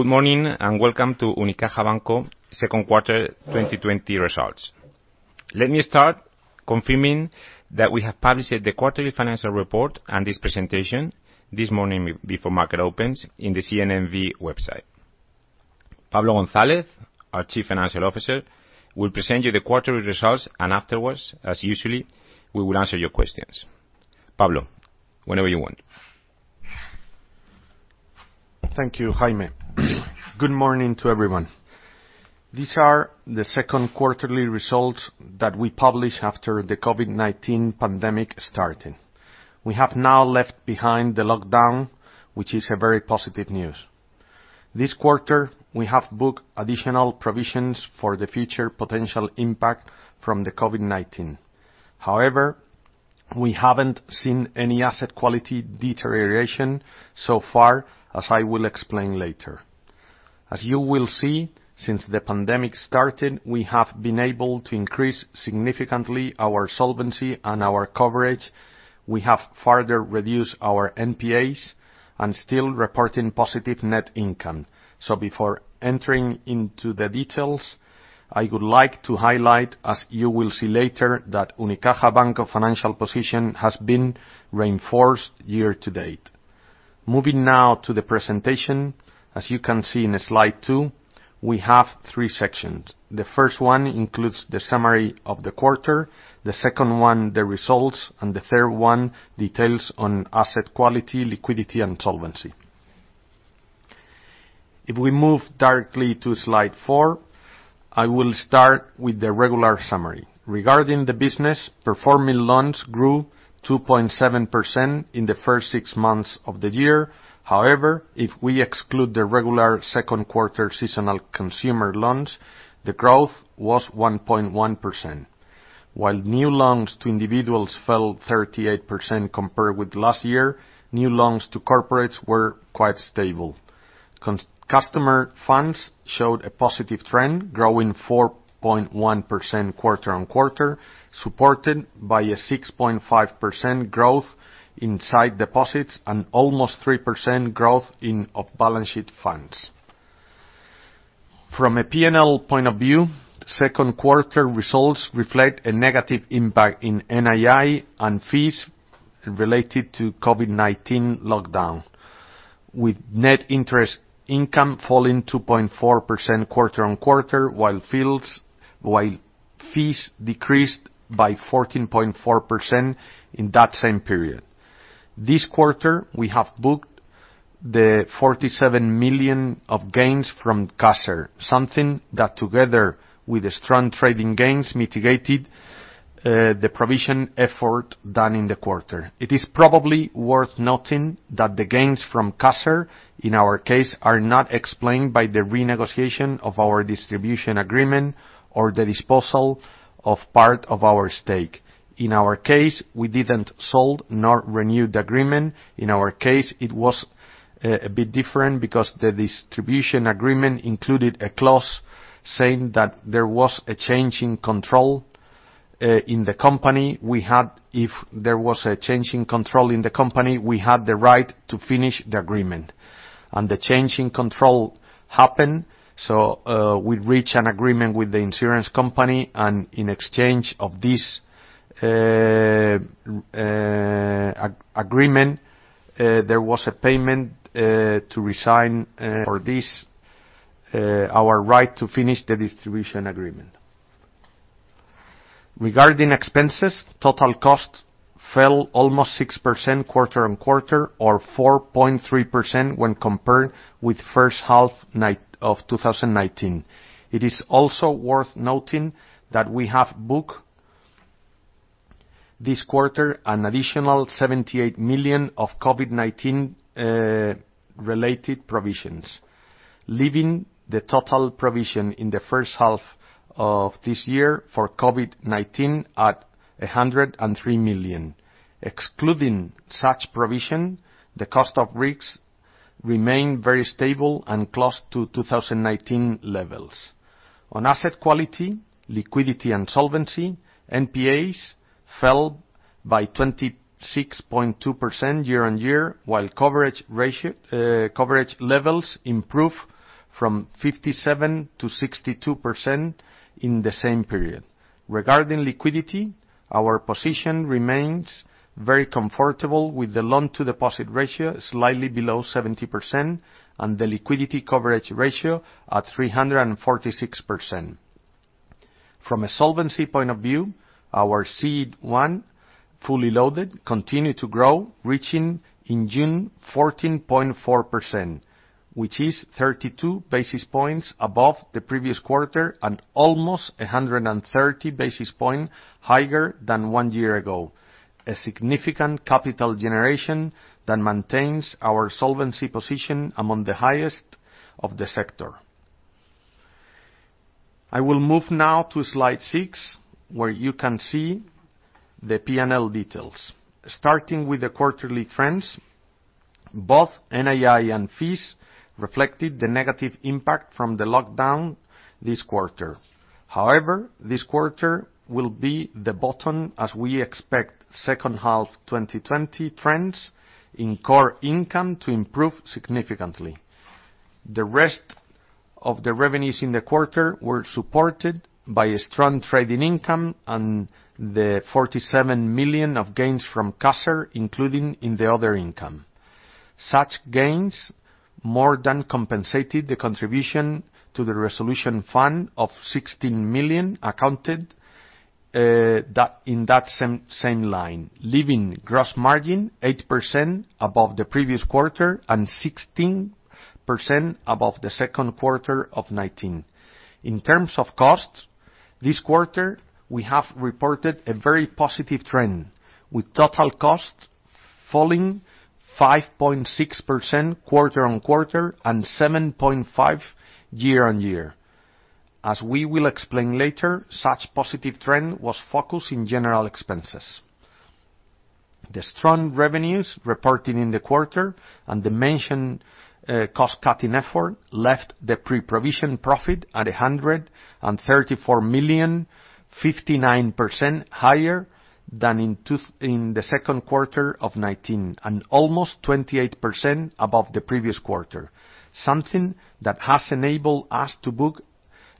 Good morning, welcome to Unicaja Banco second quarter 2020 results. Let me start confirming that we have published the quarterly financial report and this presentation this morning before market opens in the CNMV website. Pablo González, our Chief Financial Officer, will present you the quarterly results, and afterwards, as usually, we will answer your questions. Pablo, whenever you want. Thank you, Jaime. Good morning to everyone. These are the second quarterly results that we publish after the COVID-19 pandemic starting. We have now left behind the lockdown, which is a very positive news. This quarter, we have booked additional provisions for the future potential impact from the COVID-19. We haven't seen any asset quality deterioration so far, as I will explain later. You will see, since the pandemic started, we have been able to increase significantly our solvency and our coverage. We have further reduced our NPAs and still reporting positive net income. Before entering into the details, I would like to highlight, as you will see later, that Unicaja Banco financial position has been reinforced year to date. Moving now to the presentation, as you can see in slide two, we have three sections. The first one includes the summary of the quarter, the second one, the results, and the third one, details on asset quality, liquidity, and solvency. If we move directly to slide four, I will start with the regular summary. Regarding the business, performing loans grew 2.7% in the first six months of the year. However, if we exclude the regular second quarter seasonal consumer loans, the growth was 1.1%. While new loans to individuals fell 38% compared with last year, new loans to corporates were quite stable. Customer funds showed a positive trend, growing 4.1% quarter-on-quarter, supported by a 6.5% growth in sight deposits and almost 3% growth in off-balance sheet funds. From a P&L point of view, second quarter results reflect a negative impact in NII and fees related to COVID-19 lockdown, with net interest income falling 2.4% quarter-on-quarter, while fees decreased by 14.4% in that same period. This quarter, we have booked the 47 million of gains from Caser, something that together with the strong trading gains mitigated the provision effort done in the quarter. It is probably worth noting that the gains from Caser, in our case, are not explained by the renegotiation of our distribution agreement or the disposal of part of our stake. In our case, we didn't sold nor renewed the agreement. In our case, it was a bit different because the distribution agreement included a clause saying that there was a change in control in the company. If there was a change in control in the company, we had the right to finish the agreement. The change in control happened, so we reached an agreement with the insurance company, and in exchange of this agreement, there was a payment to resign or this, our right to finish the distribution agreement. Regarding expenses, total cost fell almost 6% quarter-on-quarter, or 4.3% when compared with first half of 2019. It is also worth noting that we have booked this quarter an additional 78 million of COVID-19 related provisions, leaving the total provision in the first half of this year for COVID-19 at 103 million. Excluding such provision, the cost of risk remained very stable and close to 2019 levels. On asset quality, liquidity, and solvency, NPAs fell by 26.2% year-over-year, while coverage levels improved from 57% to 62% in the same period. Regarding liquidity, our position remains very comfortable with the loan-to-deposit ratio slightly below 70% and the liquidity coverage ratio at 346%. From a solvency point of view, our CET1, fully loaded, continued to grow, reaching, in June, 14.4%, which is 32 basis points above the previous quarter and almost 130 basis points higher than one year ago. A significant capital generation that maintains our solvency position among the highest of the sector. I will move now to slide six, where you can see the P&L details. Starting with the quarterly trends, both NII and fees reflected the negative impact from the lockdown this quarter. This quarter will be the bottom as we expect second half 2020 trends in core income to improve significantly. The rest of the revenues in the quarter were supported by a strong trading income and the 47 million of gains from Caser, including in the other income. Such gains more than compensated the contribution to the resolution fund of 16 million accounted in that same line, leaving gross margin 8% above the previous quarter and 16% above the second quarter of 2019. In terms of costs, this quarter, we have reported a very positive trend, with total costs falling 5.6% quarter on quarter and 7.5% year on year. As we will explain later, such positive trend was focused in general expenses. The strong revenues reported in the quarter and the mentioned cost-cutting effort left the pre-provision profit at 134 million, 59% higher than in the second quarter of 2019, and almost 28% above the previous quarter, something that has enabled us to book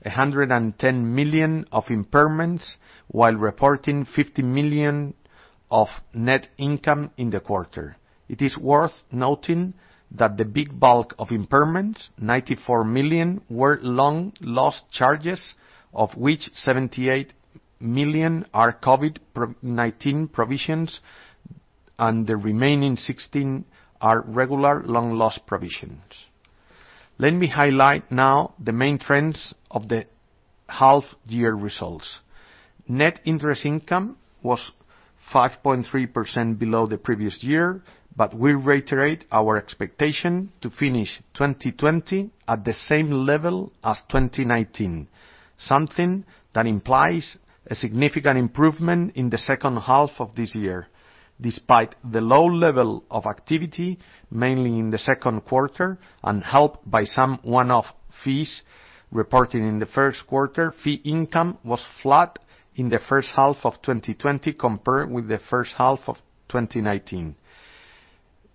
110 million of impairments while reporting 50 million of net income in the quarter. It is worth noting that the big bulk of impairments, 94 million, were loan loss charges, of which 78 million are COVID-19 provisions, and the remaining 16 are regular loan loss provisions. Let me highlight now the main trends of the half-year results. Net interest income was 5.3% below the previous year. We reiterate our expectation to finish 2020 at the same level as 2019, something that implies a significant improvement in the second half of this year. Despite the low level of activity, mainly in the second quarter, and helped by some one-off fees reported in the first quarter, fee income was flat in the first half of 2020 compared with the first half of 2019.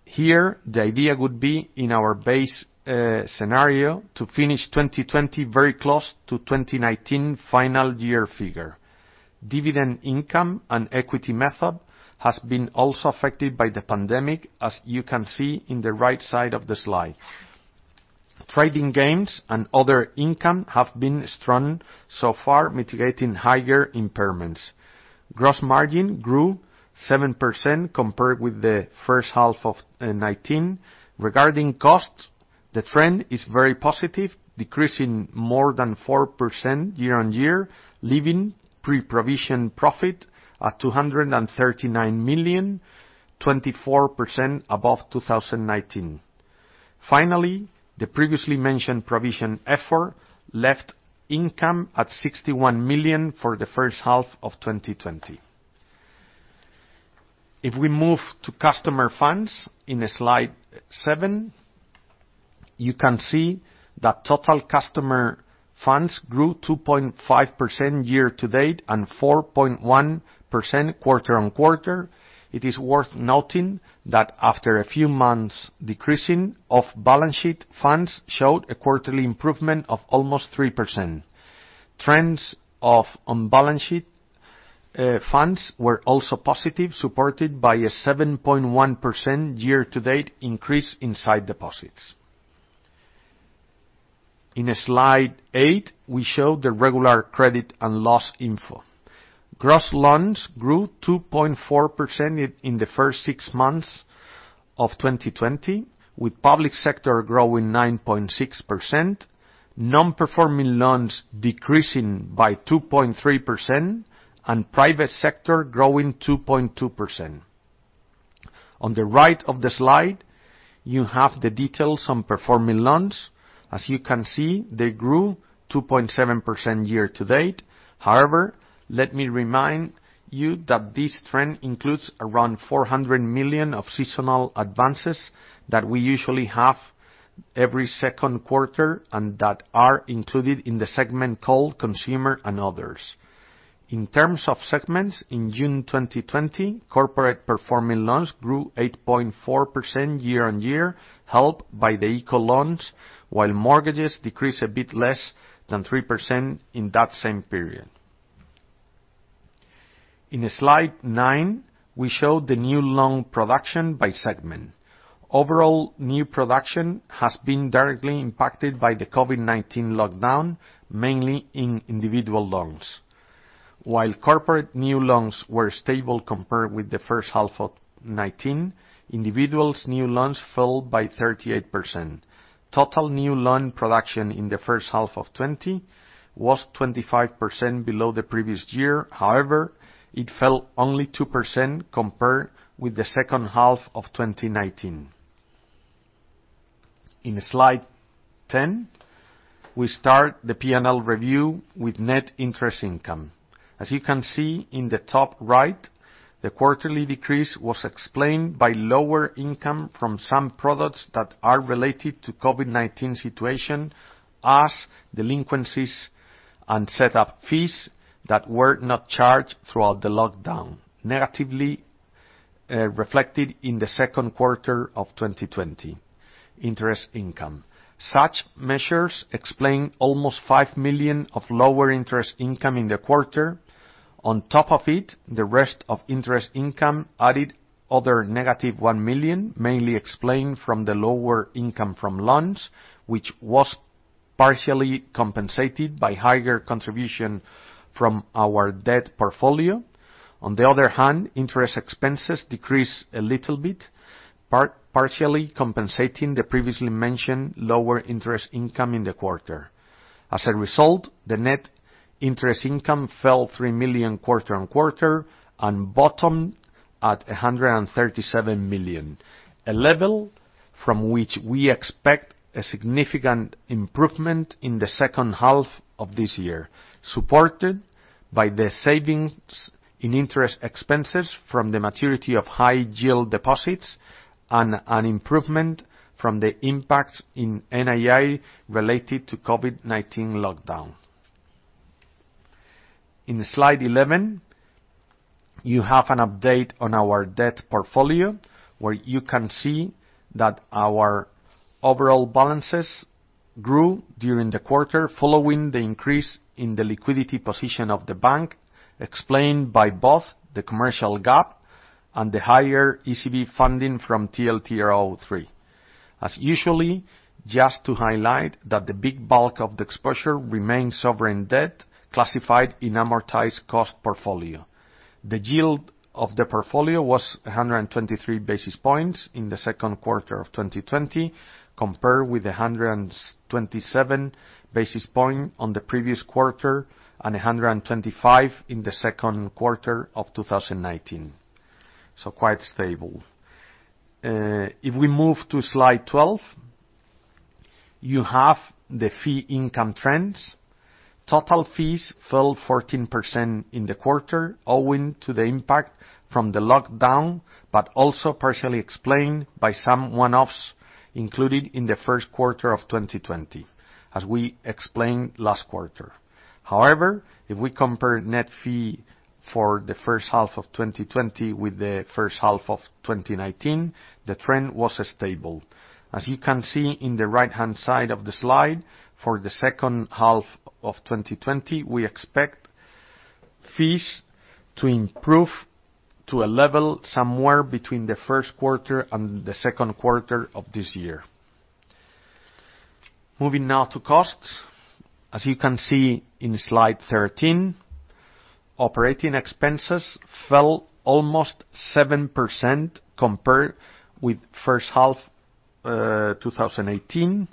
Here, the idea would be in our base scenario to finish 2020 very close to 2019 final year figure. Dividend income and equity method has been also affected by the pandemic, as you can see in the right side of the slide. Trading gains and other income have been strong so far, mitigating higher impairments. Gross margin grew 7% compared with the first half of 2019. Regarding costs, the trend is very positive, decreasing more than 4% year-on-year, leaving pre-provision profit at 239 million, 24% above 2019. Finally, the previously mentioned provision effort left income at 61 million for the first half of 2020. If we move to customer funds in slide seven, you can see that total customer funds grew 2.5% year-to-date and 4.1% quarter-on-quarter. It is worth noting that after a few months decreasing, off-balance sheet funds showed a quarterly improvement of almost 3%. Trends of on-balance sheet funds were also positive, supported by a 7.1% year-to-date increase in side deposits. In slide eight, we show the regular credit and loss info. Gross loans grew 2.4% in the first six months of 2020, with public sector growing 9.6%, non-performing loans decreasing by 2.3%. Private sector growing 2.2%. On the right of the slide, you have the details on performing loans. As you can see, they grew 2.7% year-to-date. Let me remind you that this trend includes around 400 million of seasonal advances that we usually have every second quarter and that are included in the segment called consumer and others. In terms of segments, in June 2020, corporate performing loans grew 8.4% year-on-year, helped by the ICO loans, while mortgages decreased a bit less than 3% in that same period. In slide nine, we show the new loan production by segment. Overall, new production has been directly impacted by the COVID-19 lockdown, mainly in individual loans. Corporate new loans were stable compared with the first half of 2019, individuals' new loans fell by 38%. Total new loan production in the first half of 2020 was 25% below the previous year. It fell only 2% compared with the second half of 2019. In slide 10, we start the P&L review with net interest income. As you can see in the top right, the quarterly decrease was explained by lower income from some products that are related to COVID-19 situation as delinquencies and set up fees that were not charged throughout the lockdown, negatively reflected in the second quarter of 2020 interest income. Such measures explain almost five million of lower interest income in the quarter. On top of it, the rest of interest income added other negative one million, mainly explained from the lower income from loans, which was partially compensated by higher contribution from our debt portfolio. On the other hand, interest expenses decreased a little bit, partially compensating the previously mentioned lower interest income in the quarter. As a result, the net interest income fell three million quarter-on-quarter and bottomed at 137 million. A level from which we expect a significant improvement in the second half of this year, supported by the savings in interest expenses from the maturity of high yield deposits and an improvement from the impacts in NII related to COVID-19 lockdown. In slide 11, you have an update on our debt portfolio, where you can see that our overall balances grew during the quarter, following the increase in the liquidity position of the bank, explained by both the commercial gap and the higher ECB funding from TLTRO3. As usual, just to highlight that the big bulk of the exposure remains sovereign debt classified in amortized cost portfolio. The yield of the portfolio was 123 basis points in the second quarter of 2020, compared with 127 basis points on the previous quarter and 125 in the second quarter of 2019. Quite stable. If we move to slide 12, you have the fee income trends. Total fees fell 14% in the quarter owing to the impact from the lockdown, but also partially explained by some one-offs included in the first quarter of 2020, as we explained last quarter. However, if we compare net fee for the first half of 2020 with the first half of 2019, the trend was stable. As you can see in the right-hand side of the slide, for the second half of 2020, we expect fees to improve to a level somewhere between the first quarter and the second quarter of this year. Moving now to costs. As you can see in slide 13, operating expenses fell almost 7% compared with first half 2018,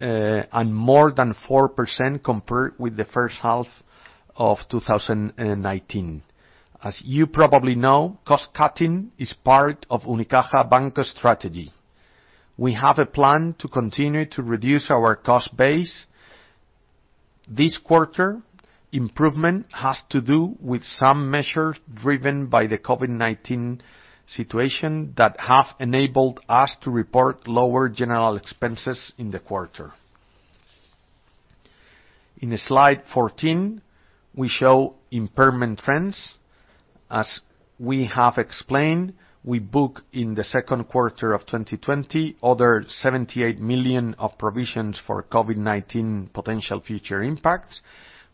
and more than 4% compared with the first half of 2019. As you probably know, cost-cutting is part of Unicaja Banco strategy. We have a plan to continue to reduce our cost base. This quarter, improvement has to do with some measures driven by the COVID-19 situation that have enabled us to report lower general expenses in the quarter. In slide 14, we show impairment trends. As we have explained, we book in the second quarter of 2020, other 78 million of provisions for COVID-19 potential future impacts,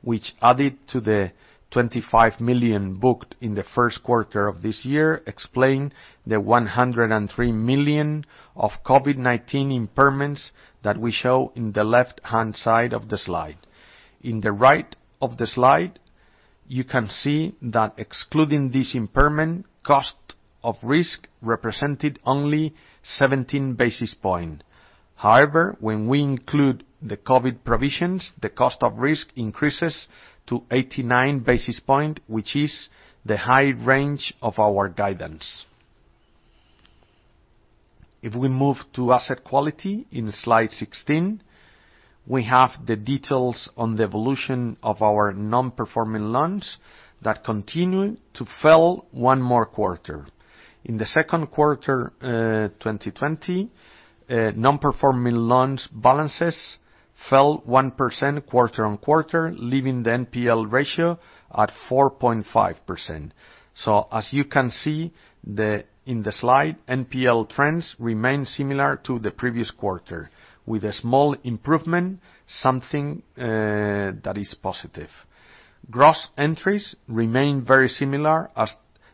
which added to the 25 million booked in the first quarter of this year, explain the 103 million of COVID-19 impairments that we show in the left-hand side of the slide. In the right of the slide, you can see that excluding this impairment, cost of risk represented only 17 basis point. When we include the COVID provisions, the cost of risk increases to 89 basis point, which is the high range of our guidance. If we move to asset quality in slide 16, we have the details on the evolution of our non-performing loans that continue to fell one more quarter. In the second quarter 2020, non-performing loans balances fell 1% quarter-on-quarter, leaving the NPL ratio at 4.5%. As you can see in the slide, NPL trends remain similar to the previous quarter, with a small improvement, something that is positive. Gross entries remain very similar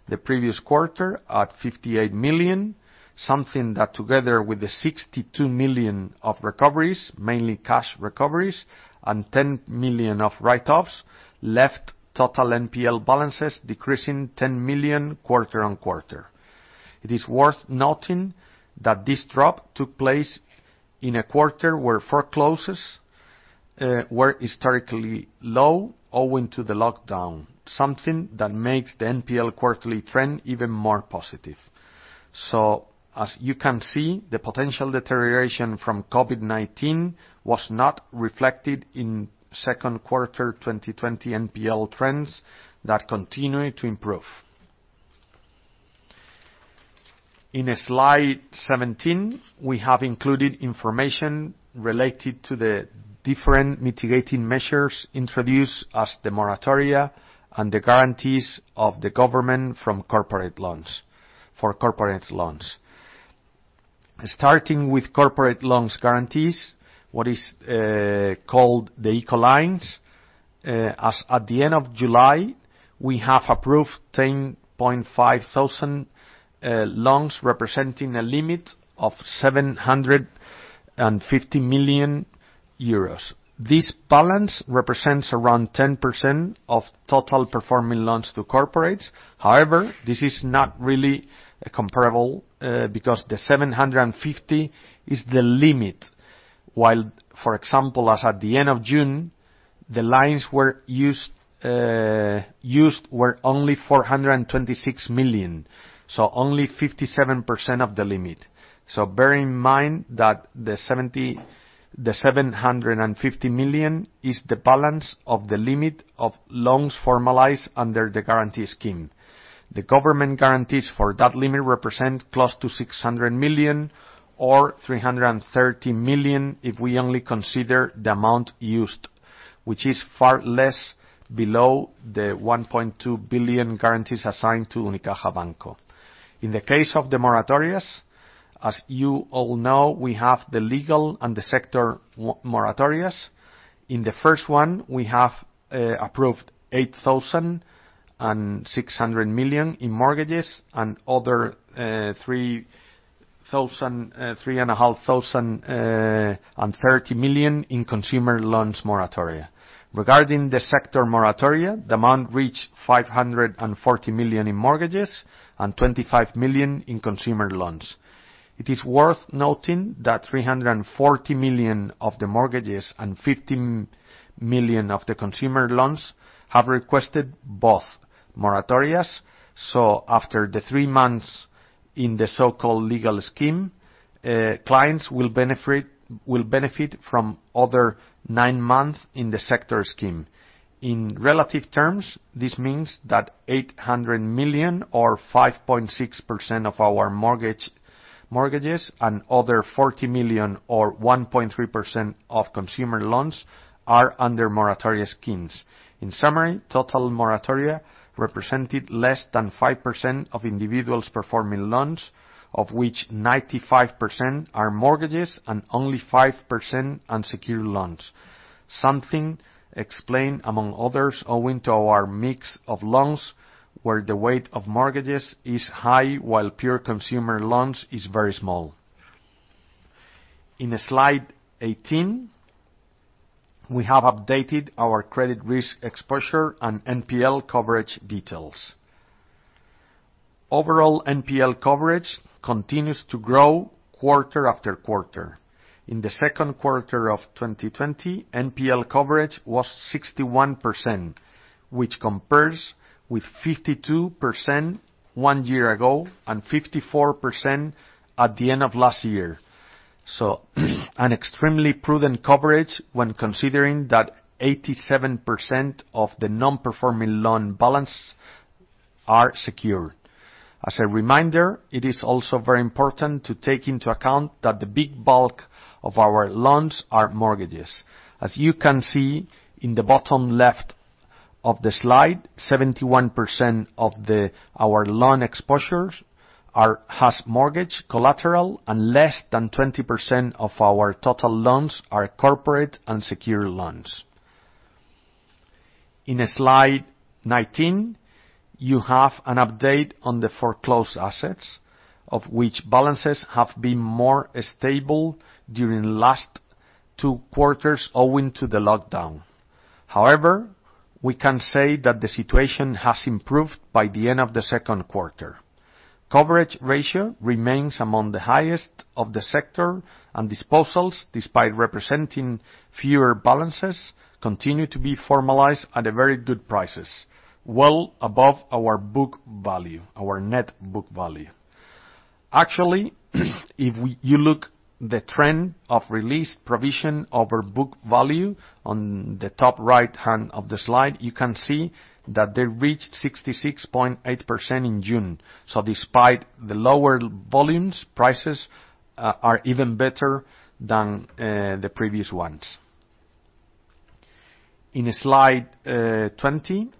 as the previous quarter at 58 million, something that, together with the 62 million of recoveries, mainly cash recoveries and 10 million of write-offs, left total NPL balances decreasing 10 million quarter-on-quarter. It is worth noting that this drop took place in a quarter where foreclosures were historically low owing to the lockdown, something that makes the NPL quarterly trend even more positive. As you can see, the potential deterioration from COVID-19 was not reflected in second quarter 2020 NPL trends that continue to improve. In slide 17, we have included information related to the different mitigating measures introduced as the moratoria and the guarantees of the government for corporate loans. Starting with corporate loans guarantees, what is called the ICO lines. As at the end of July, we have approved 10,500 loans, representing a limit of 750 million euros. This balance represents around 10% of total performing loans to corporates. However, this is not really comparable, because the 750 is the limit. While, for example, as at the end of June, the lines used were only 426 million, so only 57% of the limit. Bear in mind that the 750 million is the balance of the limit of loans formalized under the guarantee scheme. The government guarantees for that limit represent close to 600 million or 330 million if we only consider the amount used, which is far less below the 1.2 billion guarantees assigned to Unicaja Banco. In the case of the moratorias, as you all know, we have the legal and the sector moratorias. In the first one, we have approved 8,600 million in mortgages and other 3,030 million in consumer loans moratoria. Regarding the sector moratoria, the amount reached 540 million in mortgages and 25 million in consumer loans. It is worth noting that 340 million of the mortgages and 15 million of the consumer loans have requested both moratorias. After the three months in the so-called legal scheme, clients will benefit from other nine months in the sector scheme. In relative terms, this means that 800 million or 5.6% of our mortgages and other 40 million or 1.3% of consumer loans are under moratoria schemes. In summary, total moratoria represented less than 5% of individuals performing loans, of which 95% are mortgages and only 5% unsecured loans. Something explained among others owing to our mix of loans, where the weight of mortgages is high, while pure consumer loans is very small. In slide 18, we have updated our credit risk exposure and NPL coverage details. Overall, NPL coverage continues to grow quarter after quarter. In the second quarter of 2020, NPL coverage was 61%, which compares with 52% one year ago and 54% at the end of last year. An extremely prudent coverage when considering that 87% of the non-performing loan balance are secured. As a reminder, it is also very important to take into account that the big bulk of our loans are mortgages. As you can see in the bottom left of the slide, 71% of our loan exposures has mortgage collateral, and less than 20% of our total loans are corporate unsecured loans. In slide 19, you have an update on the foreclosed assets, of which balances have been more stable during last two quarters owing to the lockdown. However, we can say that the situation has improved by the end of the second quarter. Coverage ratio remains among the highest of the sector, disposals, despite representing fewer balances, continue to be formalized at very good prices, well above our net book value. Actually, if you look the trend of released provision over book value on the top right hand of the slide, you can see that they reached 66.8% in June. Despite the lower volumes, prices are even better than the previous ones. In slide 20,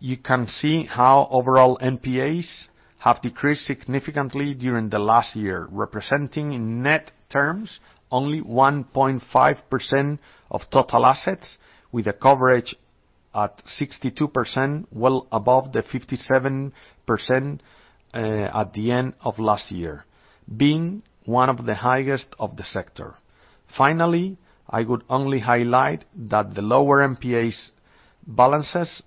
you can see how overall NPAs have decreased significantly during the last year, representing in net terms, only 1.5% of total assets, with a coverage at 62%, well above the 57% at the end of last year, being one of the highest of the sector. Finally, I would only highlight that the lower NPAs balances,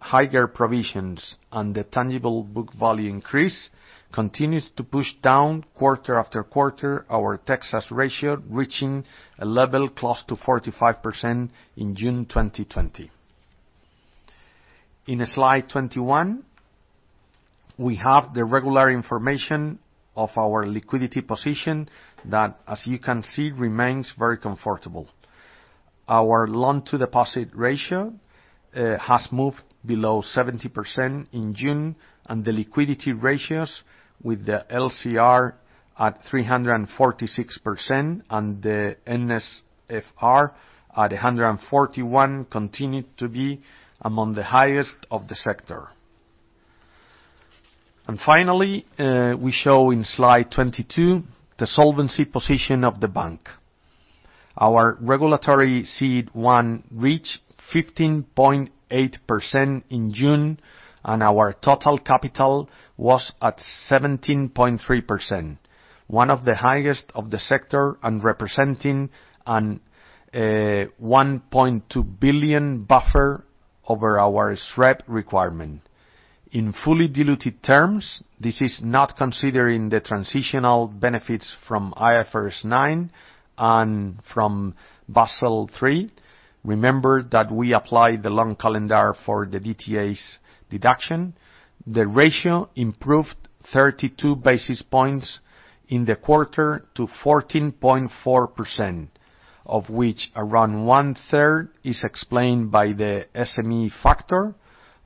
higher provisions, and the tangible book value increase continues to push down quarter after quarter our Texas ratio reaching a level close to 45% in June 2020. In slide 21, we have the regular information of our liquidity position that, as you can see, remains very comfortable. Our loan to deposit ratio has moved below 70% in June, and the liquidity ratios with the LCR at 346% and the NSFR at 141% continue to be among the highest of the sector. Finally, we show in slide 22 the solvency position of the bank. Our regulatory CET1 reached 15.8% in June, and our total capital was at 17.3%, one of the highest of the sector and representing a 1.2 billion buffer over our SREP requirement. In fully diluted terms, this is not considering the transitional benefits from IFRS 9 and from Basel III. Remember that we applied the loan calendar for the DTAs deduction. The ratio improved 32 basis points in the quarter to 14.4%, of which around one-third is explained by the SME factor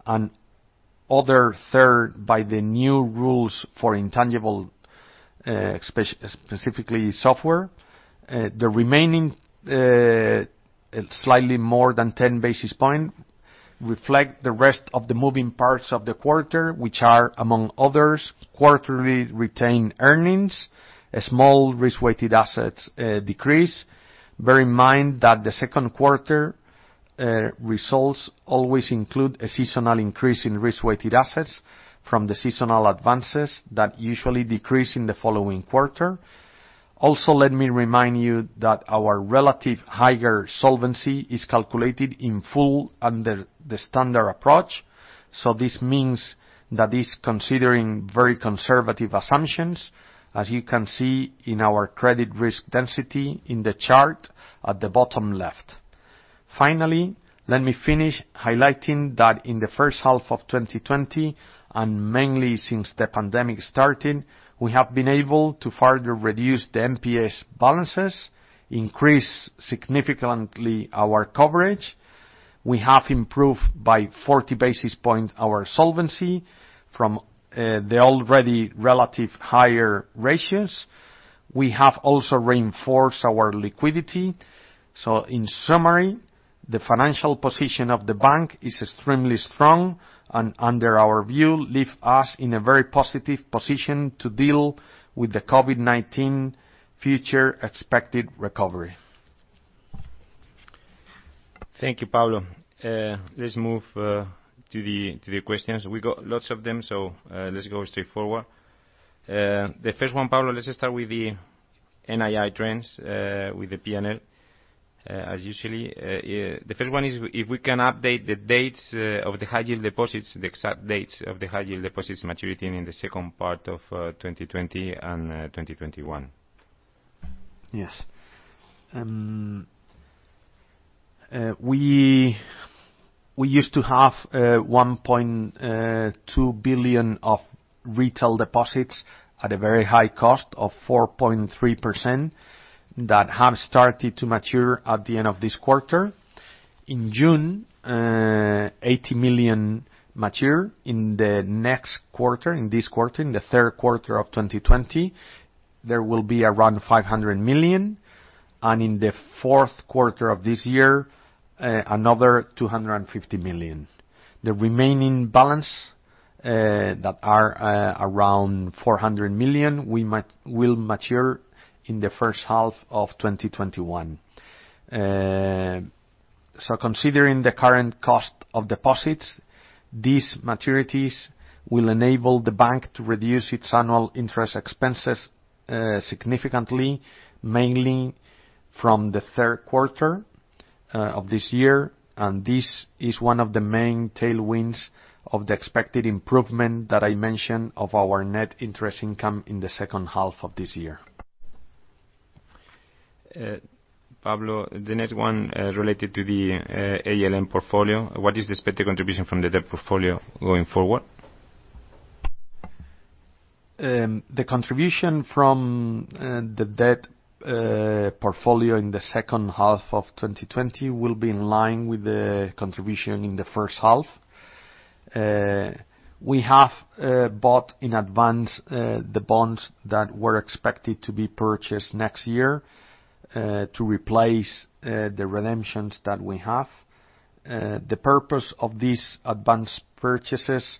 and the other third by the new rules for intangible, specifically software. The remaining, slightly more than 10 basis points, reflect the rest of the moving parts of the quarter, which are, among others, quarterly retained earnings, a small risk-weighted assets decrease. Bear in mind that the second quarter results always include a seasonal increase in risk-weighted assets from the seasonal advances that usually decrease in the following quarter. Also, let me remind you that our relative higher solvency is calculated in full under the standard approach. This means that it's considering very conservative assumptions, as you can see in our credit risk density in the chart at the bottom left. Let me finish highlighting that in the first half of 2020, and mainly since the pandemic started, we have been able to further reduce the NPAs balances, increase significantly our coverage. We have improved by 40 basis points our solvency from the already relative higher ratios. We have also reinforced our liquidity. In summary, the financial position of the bank is extremely strong and, under our view, leave us in a very positive position to deal with the COVID-19 future expected recovery. Thank you, Pablo. Let's move to the questions. We got lots of them. Let's go straightforward. The first one, Pablo, let's start with the NII trends, with the P&L. As usual, the first one is if we can update the dates of the high-yield deposits, the exact dates of the high-yield deposits maturing in the second part of 2020 and 2021. Yes. We used to have 1.2 billion of retail deposits at a very high cost of 4.3% that have started to mature at the end of this quarter. In June, 80 million mature. In the next quarter, in this quarter, in the third quarter of 2020, there will be around 500 million. In the fourth quarter of this year, another 250 million. The remaining balance that are around 400 million will mature in the first half of 2021. Considering the current cost of deposits, these maturities will enable the bank to reduce its annual interest expenses significantly, mainly from the third quarter of this year. This is one of the main tailwinds of the expected improvement that I mentioned of our net interest income in the second half of this year. Pablo, the next one related to the ALM portfolio. What is the expected contribution from the debt portfolio going forward? The contribution from the debt portfolio in the second half of 2020 will be in line with the contribution in the first half. We have bought in advance the bonds that were expected to be purchased next year to replace the redemptions that we have. The purpose of these advanced purchases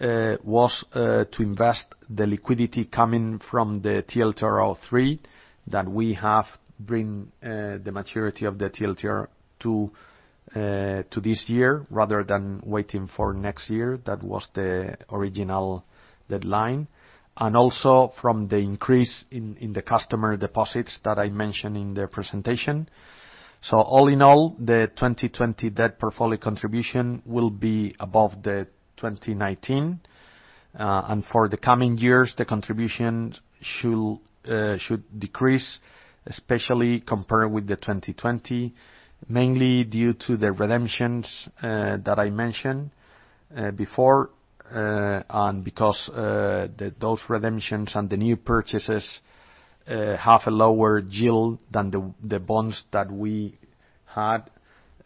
was to invest the liquidity coming from the TLTRO III that we have bring the maturity of the TLTRO to this year rather than waiting for next year. That was the original deadline. Also from the increase in the customer deposits that I mentioned in the presentation. All in all, the 2020 debt portfolio contribution will be above the 2019. For the coming years, the contribution should decrease, especially compared with 2020, mainly due to the redemptions that I mentioned before, and because those redemptions and the new purchases have a lower yield than the bonds that we had,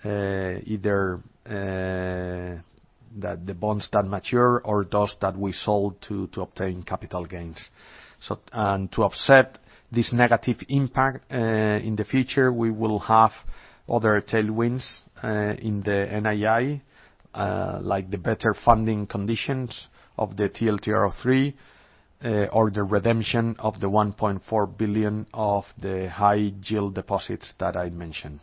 either that the bonds that mature or those that we sold to obtain capital gains. To offset this negative impact, in the future, we will have other tailwinds in the NII, like the better funding conditions of the TLTRO III, or the redemption of the 1.4 billion of the high yield deposits that I mentioned.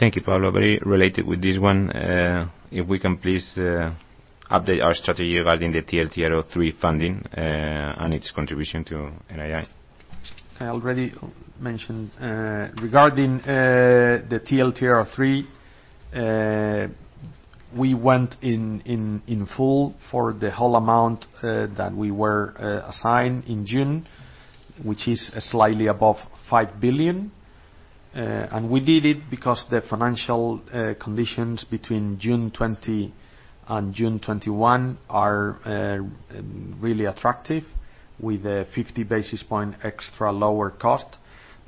Thank you, Pablo. Very related with this one, if we can please update our strategy regarding the TLTRO III funding, and its contribution to NII. I already mentioned. Regarding the TLTRO III, we went in full for the whole amount that we were assigned in June, which is slightly above 5 billion. We did it because the financial conditions between June 20 and June 21 are really attractive with a 50 basis points extra lower cost,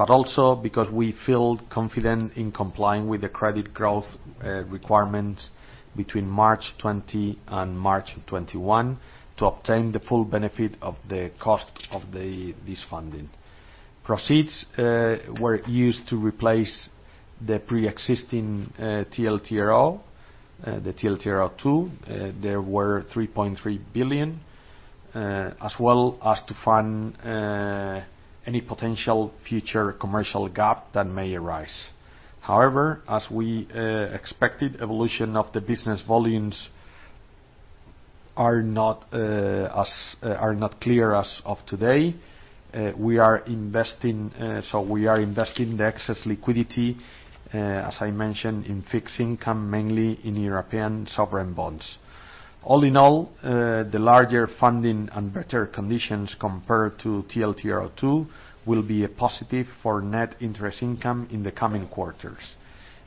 but also because we feel confident in complying with the credit growth requirement between March 20 and March 21 to obtain the full benefit of the cost of this funding. Proceeds were used to replace the preexisting TLTRO, the TLTRO II. There were 3.3 billion, as well as to fund any potential future commercial gap that may arise. However, as we expected, evolution of the business volumes are not clear as of today. We are investing the excess liquidity, as I mentioned, in fixed income, mainly in European sovereign bonds. All in all, the larger funding and better conditions compared to TLTRO II will be a positive for net interest income in the coming quarters.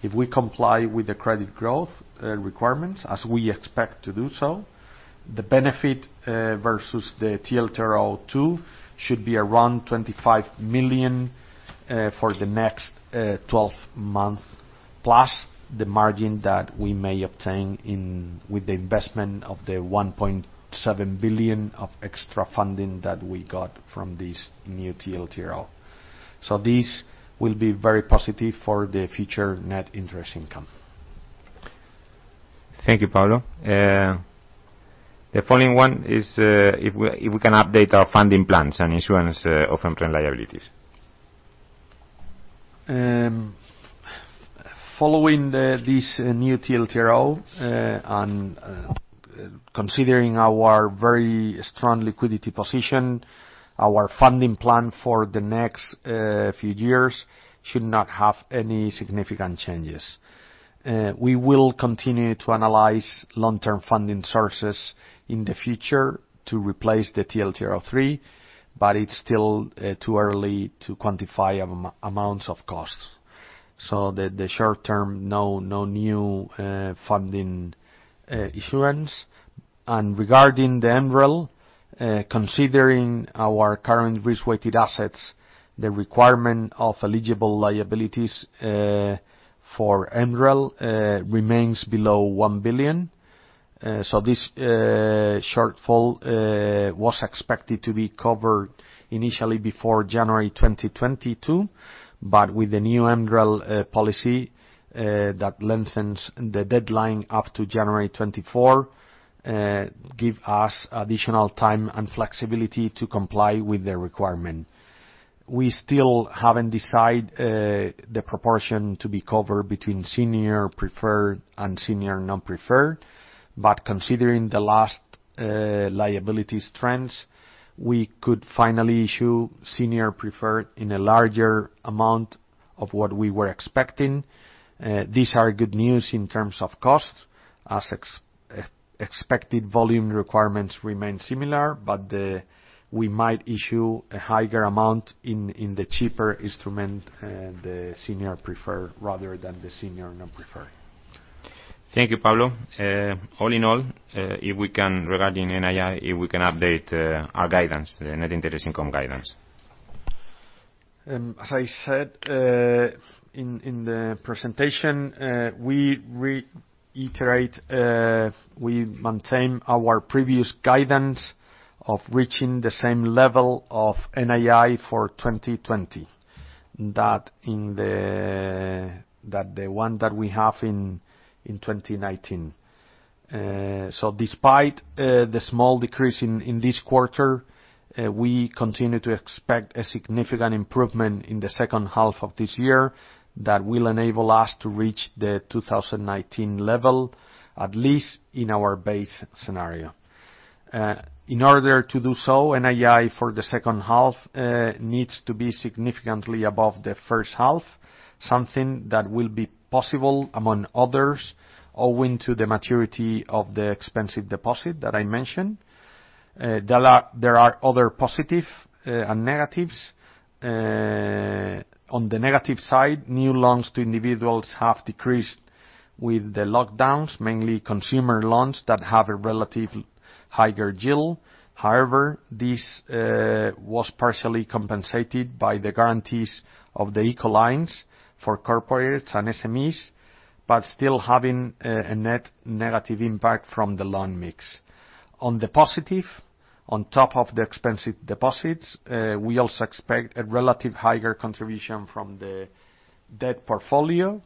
If we comply with the credit growth requirements, as we expect to do so, the benefit versus the TLTRO II should be around 25 million for the next 12 month, plus the margin that we may obtain with the investment of the 1.7 billion of extra funding that we got from this new TLTRO. This will be very positive for the future net interest income. Thank you, Pablo. The following one is if we can update our funding plans and issuance of subordinated liabilities. Following this new TLTRO, and considering our very strong liquidity position, our funding plan for the next few years should not have any significant changes. We will continue to analyze long-term funding sources in the future to replace the TLTRO3, but it's still too early to quantify amounts of costs. In the short-term, no new funding issuance. Regarding the MREL, considering our current risk-weighted assets, the requirement of eligible liabilities for MREL remains below 1 billion. This shortfall was expected to be covered initially before January 2022, but with the new MREL policy that lengthens the deadline up to January 2024, give us additional time and flexibility to comply with the requirement. We still haven't decided the proportion to be covered between senior preferred and senior non-preferred. Considering the last liabilities trends, we could finally issue senior preferred in a larger amount of what we were expecting. These are good news in terms of cost, as expected volume requirements remain similar. We might issue a higher amount in the cheaper instrument, the senior preferred, rather than the senior non-preferred. Thank you, Pablo. All in all, regarding NII, if we can update our guidance, the net interest income guidance. As I said in the presentation, we reiterate, we maintain our previous guidance of reaching the same level of NII for 2020, the one that we have in 2019. Despite the small decrease in this quarter, we continue to expect a significant improvement in the second half of this year that will enable us to reach the 2019 level, at least in our base scenario. In order to do so, NII for the second half needs to be significantly above the first half, something that will be possible among others, owing to the maturity of the expensive deposit that I mentioned. There are other positive and negatives. On the negative side, new loans to individuals have decreased with the lockdowns, mainly consumer loans that have a relative higher yield. However, this was partially compensated by the guarantees of the ICO lines for corporates and SMEs, but still having a net negative impact from the loan mix. On top of the expensive deposits, we also expect a relative higher contribution from the debt portfolio,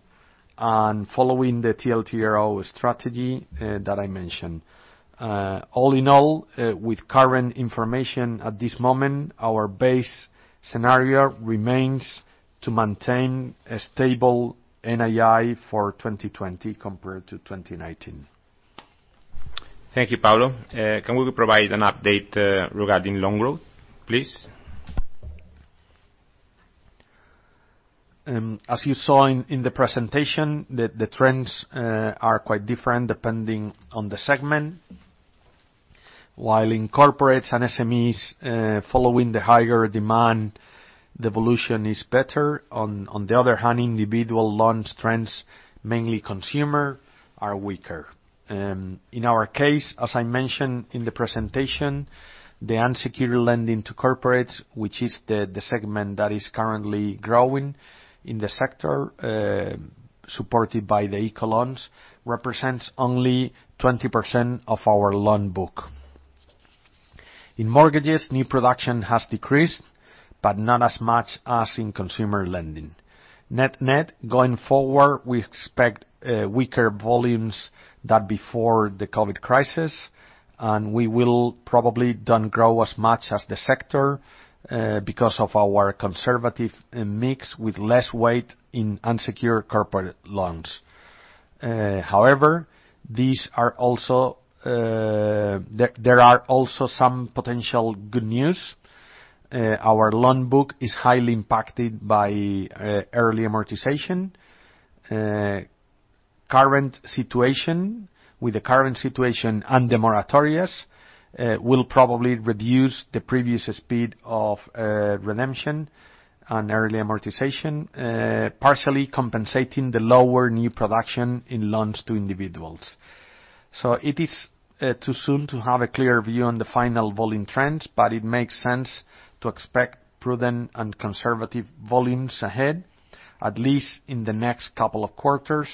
and following the TLTRO strategy that I mentioned. All in all, with current information at this moment, our base scenario remains to maintain a stable NII for 2020 compared to 2019. Thank you, Pablo. Can we provide an update regarding loan growth, please? As you saw in the presentation, the trends are quite different depending on the segment. While in corporates and SMEs, following the higher demand, the evolution is better. Individual loan trends, mainly consumer, are weaker. In our case, as I mentioned in the presentation, the unsecured lending to corporates, which is the segment that is currently growing in the sector, supported by the ICO loans, represents only 20% of our loan book. In mortgages, new production has decreased, not as much as in consumer lending. Net net, going forward, we expect weaker volumes than before the COVID crisis, we will probably not grow as much as the sector because of our conservative mix with less weight in unsecured corporate loans. There are also some potential good news. Our loan book is highly impacted by early amortization. With the current situation and the moratorias, will probably reduce the previous speed of redemption and early amortization, partially compensating the lower new production in loans to individuals. It is too soon to have a clear view on the final volume trends, but it makes sense to expect prudent and conservative volumes ahead, at least in the next couple of quarters.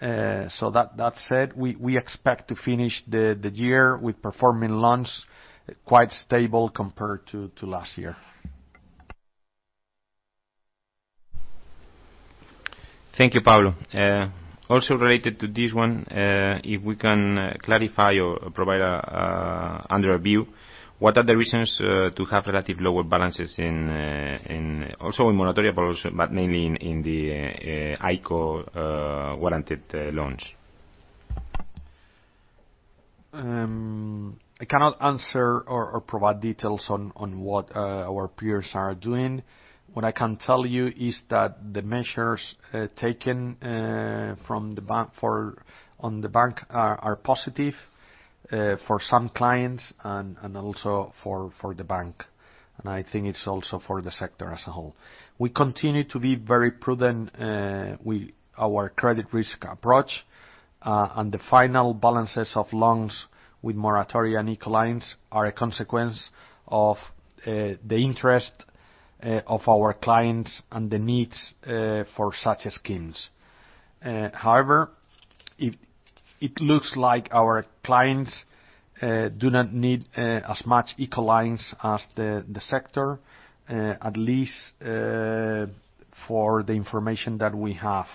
That said, we expect to finish the year with performing loans quite stable compared to last year. Thank you, Pablo. Related to this one, if we can clarify or provide under our view, what are the reasons to have relative lower balances also in moratoria, but mainly in the ICO warranted loans? I cannot answer or provide details on what our peers are doing. What I can tell you is that the measures taken on the bank are positive for some clients and also for the bank. I think it's also for the sector as a whole. We continue to be very prudent with our credit risk approach, and the final balances of loans with moratoria and ICO lines are a consequence of the interest of our clients and the needs for such schemes. However, it looks like our clients do not need as much ICO lines as the sector, at least for the information that we have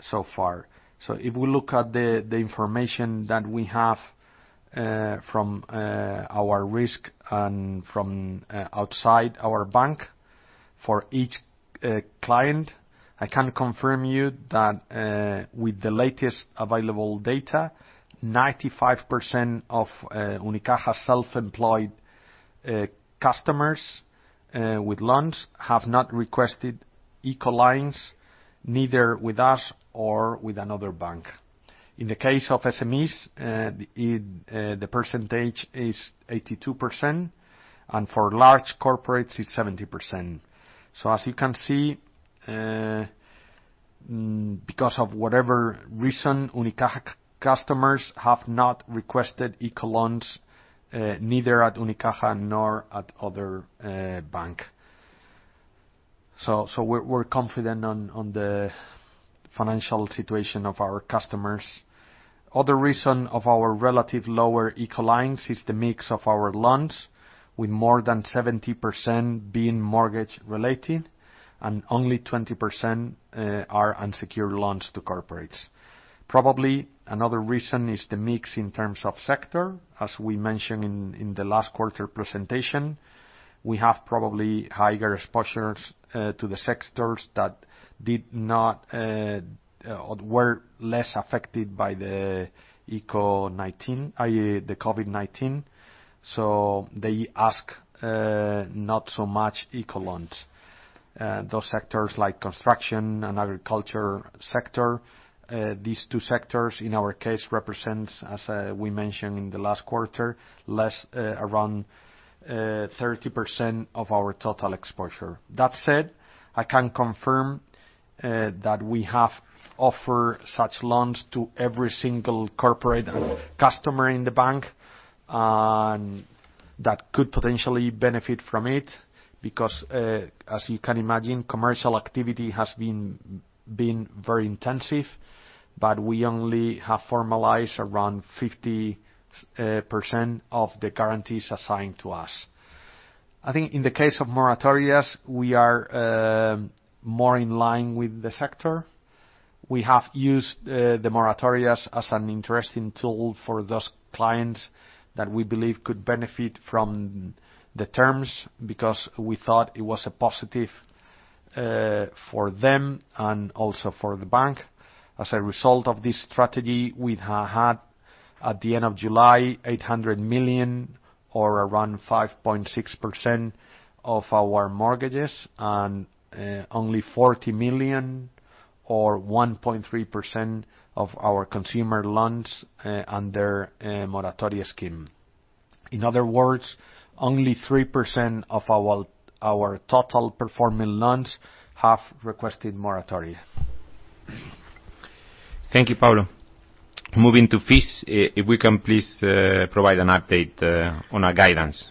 so far. If we look at the information that we have from our risk and from outside our bank for each client, I can confirm you that with the latest available data, 95% of Unicaja self-employed customers with loans have not requested ICO lines, neither with us nor with another bank. In the case of SMEs, the percentage is 82%, and for large corporates, it's 70%. As you can see, because of whatever reason, Unicaja customers have not requested ICO loans, neither at Unicaja nor at another bank. We're confident on the financial situation of our customers. Another reason of our relative lower ICO lines is the mix of our loans, with more than 70% being mortgage-related and only 20% are unsecured loans to corporates. Probably another reason is the mix in terms of sector. As we mentioned in the last quarter presentation, we have probably higher exposures to the sectors that were less affected by the COVID-19, they ask not so much ICO loans. Those sectors like construction and agriculture sector, these two sectors, in our case, represents, as we mentioned in the last quarter, around 30% of our total exposure. I can confirm that we have offered such loans to every single corporate and customer in the bank that could potentially benefit from it, because as you can imagine, commercial activity has been very intensive, but we only have formalized around 50% of the guarantees assigned to us. I think in the case of moratorias, we are more in line with the sector. We have used the moratorias as an interesting tool for those clients that we believe could benefit from the terms, because we thought it was positive for them and also for the bank. As a result of this strategy, we had, at the end of July, 800 million or around 5.6% of our mortgages, and only 40 million or 1.3% of our consumer loans under moratoria scheme. In other words, only 3% of our total performing loans have requested moratoria. Thank you, Pablo. Moving to fees, if we can please provide an update on our guidance.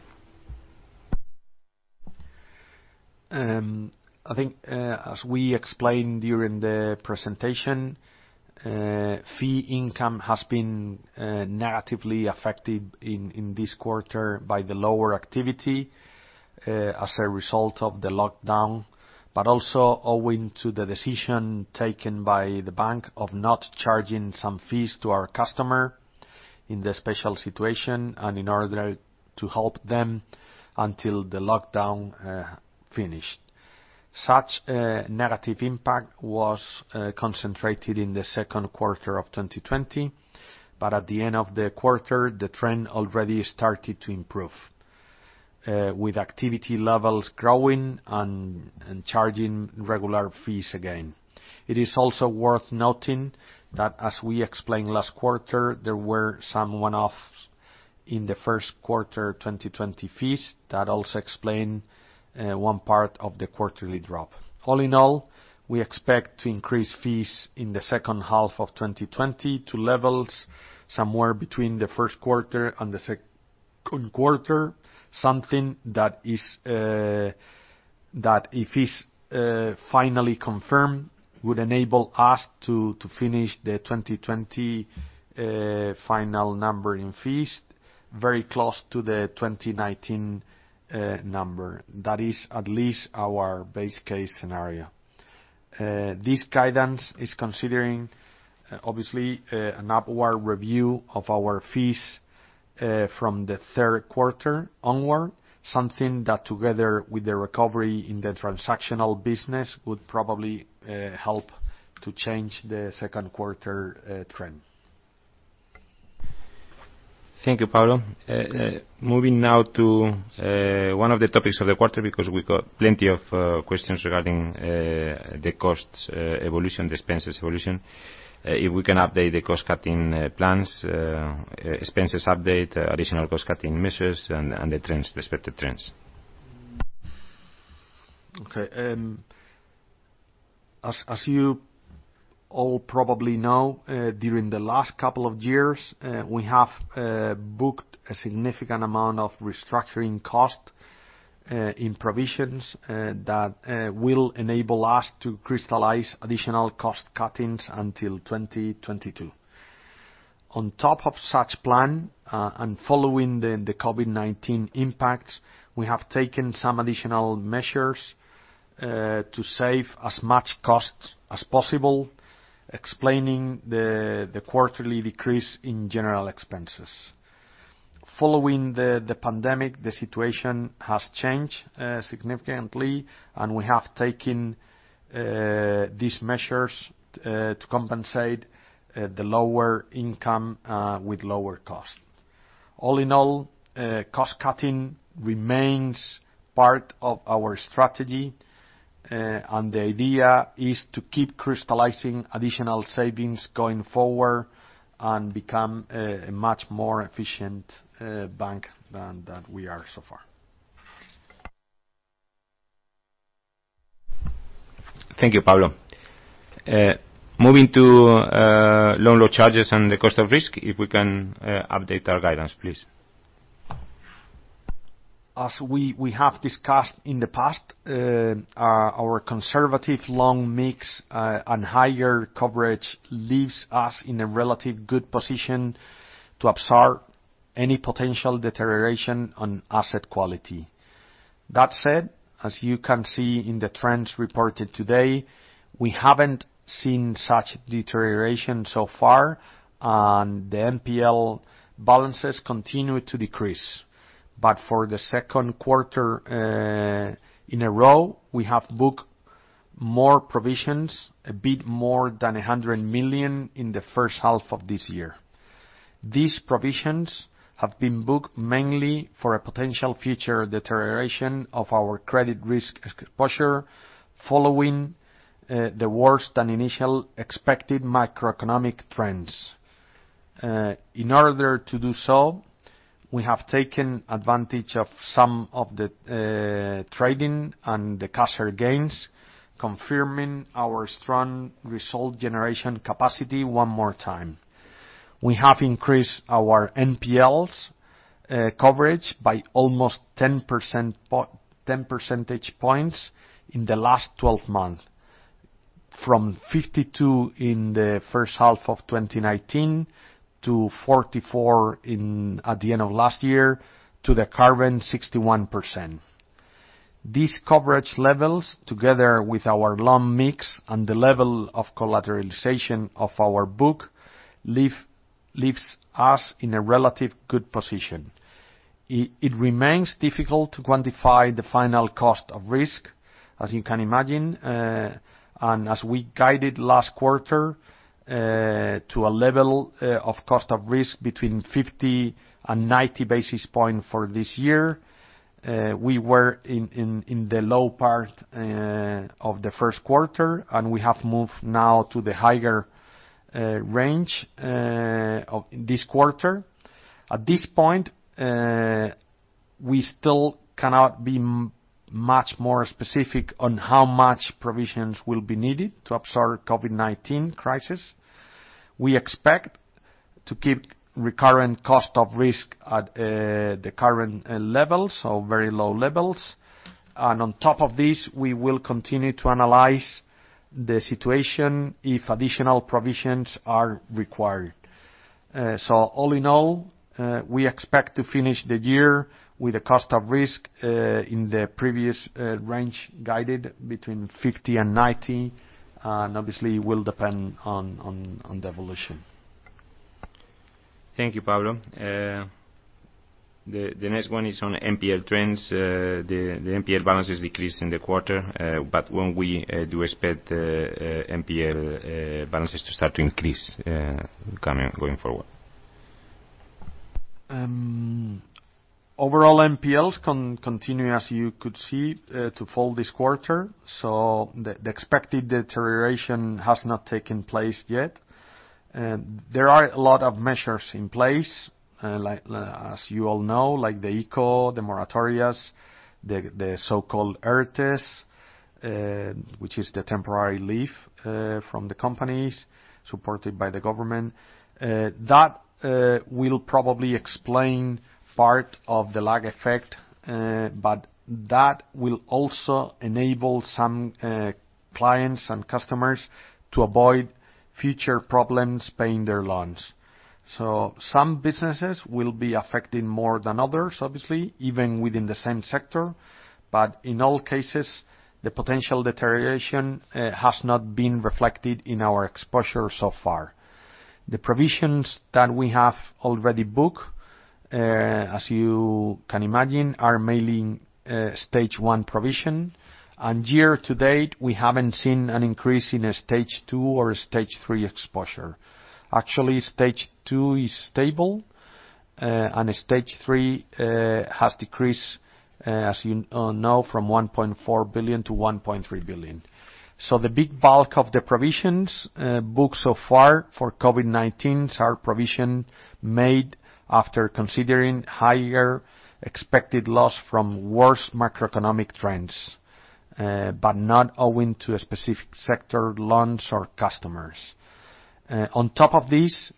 I think, as we explained during the presentation, fee income has been negatively affected in this quarter by the lower activity as a result of the lockdown, also owing to the decision taken by the bank of not charging some fees to our customers in the special situation and in order to help them until the lockdown finished. Such a negative impact was concentrated in the second quarter of 2020. At the end of the quarter, the trend already started to improve, with activity levels growing and charging regular fees again. It is also worth noting that, as we explained last quarter, there were some one-offs in the first quarter 2020 fees. That also explain one part of the quarterly drop. All in all, we expect to increase fees in the second half of 2020 to levels somewhere between the first quarter and the second quarter, something that, if it's finally confirmed, would enable us to finish the 2020 final number in fees very close to the 2019 number. That is at least our base case scenario. This guidance is considering, obviously, an upward review of our fees from the third quarter onward, something that, together with the recovery in the transactional business, would probably help to change the second quarter trend. Thank you, Pablo. Moving now to one of the topics of the quarter, because we got plenty of questions regarding the costs evolution, the expenses evolution. If we can update the cost-cutting plans, expenses update, additional cost-cutting measures, and the expected trends. Okay. As you all probably know, during the last couple of years, we have booked a significant amount of restructuring cost in provisions that will enable us to crystallize additional cost cuttings until 2022. On top of such plan, following the COVID-19 impacts, we have taken some additional measures to save as much costs as possible, explaining the quarterly decrease in general expenses. Following the pandemic, the situation has changed significantly, and we have taken these measures to compensate the lower income with lower cost. All in all, cost-cutting remains part of our strategy. The idea is to keep crystallizing additional savings going forward and become a much more efficient bank than we are so far. Thank you, Pablo. Moving to loan loss charges and the cost of risk, if we can update our guidance, please. As we have discussed in the past, our conservative loan mix and higher coverage leave us in a relatively good position to absorb any potential deterioration on asset quality. That said, as you can see in the trends reported today, we haven't seen such deterioration so far, and the NPL balances continue to decrease. For the second quarter in a row, we have booked more provisions, a bit more than 100 million in the first half of this year. These provisions have been booked mainly for a potential future deterioration of our credit risk exposure following the worse than initial expected macroeconomic trends. In order to do so, we have taken advantage of some of the trading and the cash gains, confirming our strong result generation capacity one more time. We have increased our NPLs coverage by almost 10 percentage points in the last 12 months. From 52% in the first half of 2019 to 44% at the end of last year, to the current 61%. These coverage levels, together with our loan mix and the level of collateralization of our book, leaves us in a relative good position. It remains difficult to quantify the final cost of risk, as you can imagine. As we guided last quarter to a level of cost of risk between 50 and 90 basis point for this year, we were in the low part of the first quarter, and we have moved now to the higher range this quarter. At this point, we still cannot be much more specific on how much provisions will be needed to absorb COVID-19 crisis. We expect to keep recurring cost of risk at the current levels, so very low levels. On top of this, we will continue to analyze the situation if additional provisions are required. All in all, we expect to finish the year with a cost of risk in the previous range guided between 50 and 90. Obviously, it will depend on the evolution. Thank you, Pablo. The next one is on NPL trends. The NPL balances decreased in the quarter. When we do expect NPL balances to start to increase going forward? Overall NPLs continue, as you could see, to fall this quarter. The expected deterioration has not taken place yet. There are a lot of measures in place, as you all know, like the ICO, the moratorias, the so-called ERTEs, which is the temporary leave from the companies supported by the government. That will probably explain part of the lag effect, but that will also enable some clients and customers to avoid future problems paying their loans. Some businesses will be affected more than others, obviously, even within the same sector. In all cases, the potential deterioration has not been reflected in our exposure so far. The provisions that we have already booked, as you can imagine, are mainly stage 1 provision. Year to date, we haven't seen an increase in stage 2 or stage 3 exposure. Actually, stage 2 is stable, and stage 3 has decreased, as you know, from 1.4 billion to 1.3 billion. The big bulk of the provisions booked so far for COVID-19 are provision made after considering higher expected loss from worse macroeconomic trends, but not owing to a specific sector, loans, or customers. On top of this,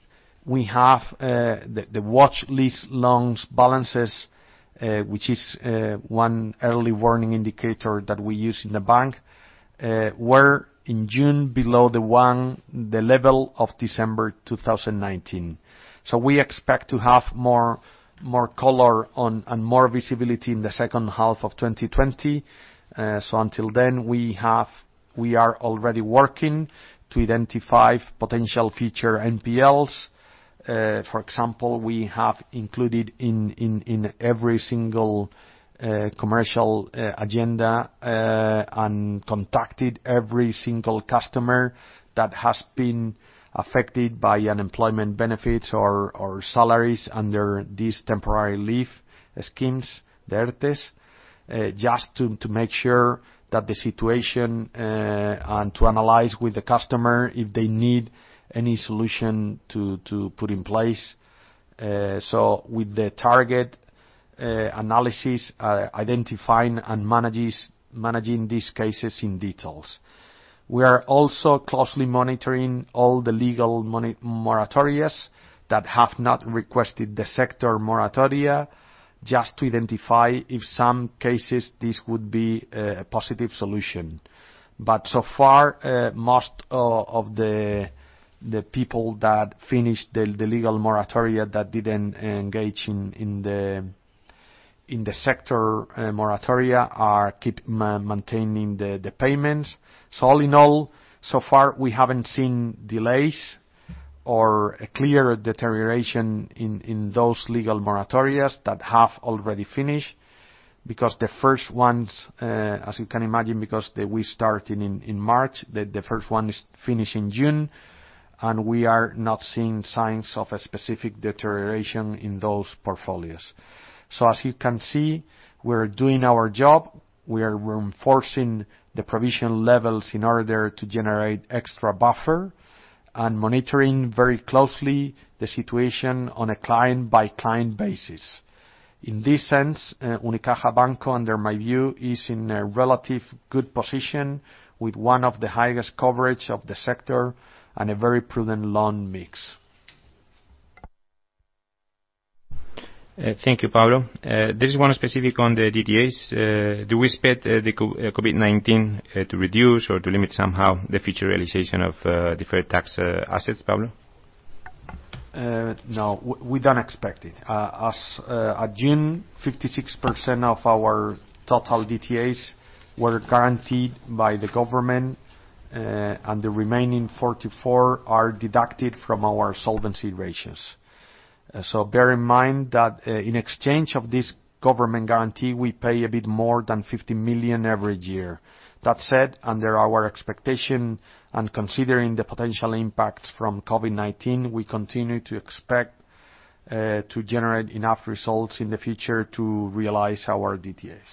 we have the watch list loans balances, which is one early warning indicator that we use in the bank, were in June below the level of December 2019. We expect to have more color and more visibility in the second half of 2020. Until then, we are already working to identify potential future NPLs. For example, we have included in every single commercial agenda and contacted every single customer that has been affected by unemployment benefits or salaries under these temporary leave schemes, ERTES. Just to make sure that the situation, and to analyze with the customer if they need any solution to put in place. With the target analysis, identifying and managing these cases in detail. We are also closely monitoring all the legal moratorias that have not requested the sector moratoria, just to identify if some cases, this would be a positive solution. So far, most of the people that finished the legal moratoria that didn't engage in the sector moratoria keep maintaining the payments. All in all, so far, we haven't seen delays or a clear deterioration in those legal moratorias that have already finished. The first ones, as you can imagine, because we start in March, the first one is finished in June. We are not seeing signs of a specific deterioration in those portfolios. As you can see, we're doing our job. We are reinforcing the provision levels in order to generate extra buffer and monitoring very closely the situation on a client-by-client basis. In this sense, Unicaja Banco, under my view, is in a relative good position with one of the highest coverage of the sector and a very prudent loan mix. Thank you, Pablo. This one is specific on the DTAs. Do we expect the COVID-19 to reduce or to limit somehow the future realization of deferred tax assets, Pablo? No, we don't expect it. As at June, 56% of our total DTAs were guaranteed by the government, and the remaining 44% are deducted from our solvency ratios. Bear in mind that in exchange of this government guarantee, we pay a bit more than 50 million every year. That said, under our expectation and considering the potential impact from COVID-19, we continue to expect to generate enough results in the future to realize our DTAs.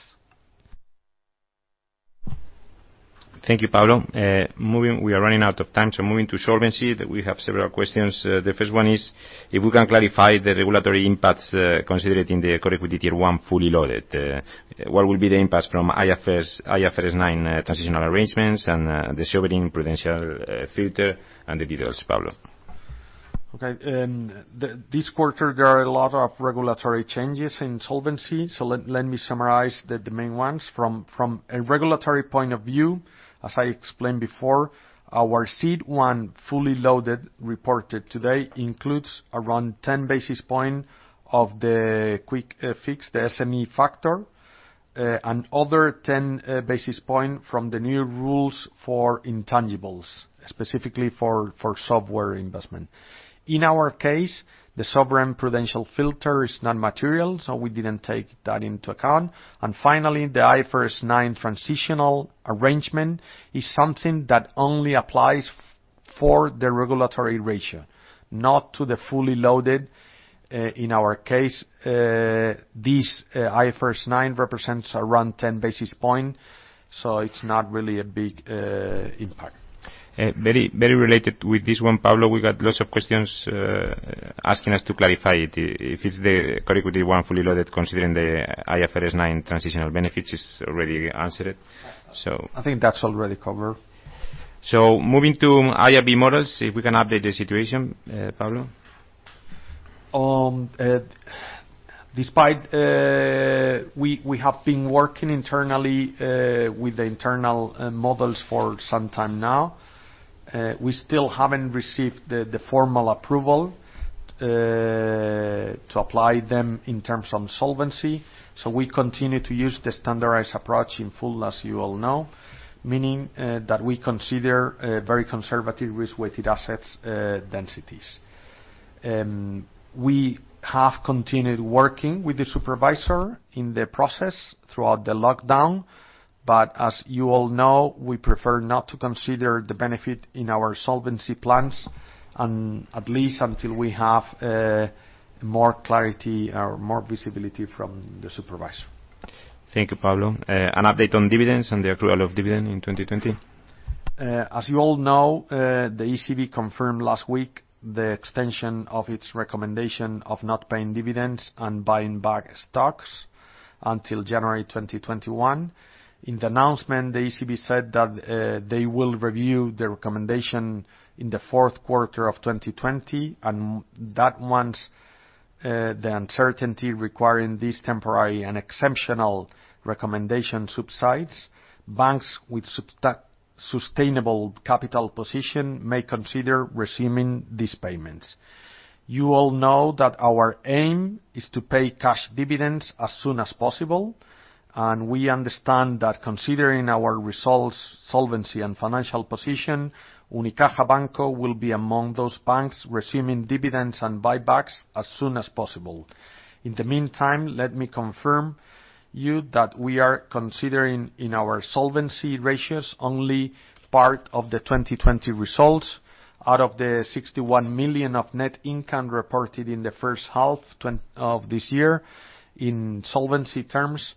Thank you, Pablo. We are running out of time, so moving to solvency. We have several questions. The first one is if we can clarify the regulatory impacts, considering the core equity tier one fully loaded. What will be the impacts from IFRS 9 transitional arrangements and the sovereign prudential filter and the details, Pablo? Okay. This quarter, there are a lot of regulatory changes in solvency, so let me summarize the main ones. From a regulatory point of view, as I explained before, our CET1 fully loaded reported today includes around 10 basis points of the Quick Fix, the SME factor, and other 10 basis points from the new rules for intangibles, specifically for software investment. In our case, the sovereign prudential filter is not material, so we didn't take that into account. Finally, the IFRS 9 transitional arrangement is something that only applies for the regulatory ratio, not to the fully loaded. In our case, this IFRS 9 represents around 10 basis points, so it's not really a big impact. Very related with this one, Pablo, we got lots of questions asking us to clarify it. If it's the core equity one fully loaded considering the IFRS 9 transitional benefits is already answered. I think that's already covered. Moving to IRB models, if we can update the situation, Pablo. Despite we have been working internally with the internal models for some time now, we still haven't received the formal approval to apply them in terms of solvency. We continue to use the standardized approach in full, as you all know, meaning that we consider very conservative risk-weighted assets densities. We have continued working with the supervisor in the process throughout the lockdown. As you all know, we prefer not to consider the benefit in our solvency plans, and at least until we have more clarity or more visibility from the supervisor. Thank you, Pablo. An update on dividends and the accrual of dividend in 2020? As you all know, the ECB confirmed last week the extension of its recommendation of not paying dividends and buying back stocks until January 2021. In the announcement, the ECB said that they will review the recommendation in the fourth quarter of 2020, and that once the uncertainty requiring this temporary and exceptional recommendation subsides, banks with sustainable capital position may consider receiving these payments. You all know that our aim is to pay cash dividends as soon as possible, and we understand that considering our results, solvency, and financial position, Unicaja Banco will be among those banks receiving dividends and buybacks as soon as possible. In the meantime, let me confirm you that we are considering in our solvency ratios only part of the 2020 results. Out of the 61 million of net income reported in the first half of this year, in solvency terms,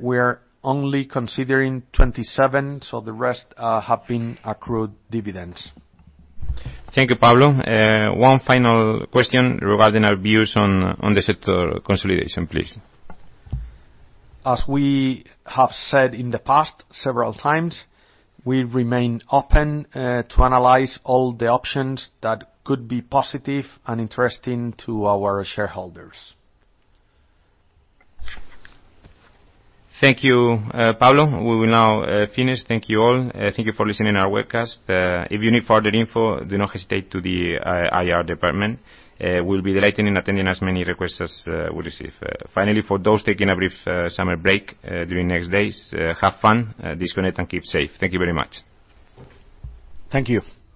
we are only considering 27 million, so the rest have been accrued dividends. Thank you, Pablo. One final question regarding our views on the sector consolidation, please. As we have said in the past several times, we remain open to analyze all the options that could be positive and interesting to our shareholders. Thank you, Pablo. We will now finish. Thank you all. Thank you for listening to our webcast. If you need further info, do not hesitate to the IR department. We'll be delighted in attending as many requests as we receive. Finally, for those taking a brief summer break during next days, have fun, disconnect, and keep safe. Thank you very much. Thank you.